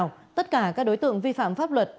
và tội phạm